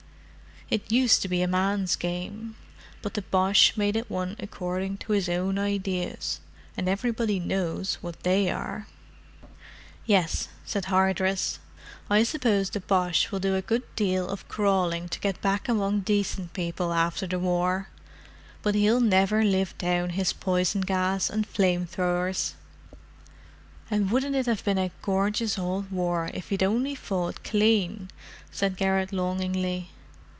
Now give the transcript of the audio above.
It used to be a man's game, but the Boche made it one according to his own ideas—and everybody knows what they are." "Yes," said Hardress. "I suppose the Boche will do a good deal of crawling to get back among decent people after the war; but he'll never live down his poison gas and flame throwers." "And wouldn't it have been a gorgeous old war if he'd only fought clean!" said Garrett longingly.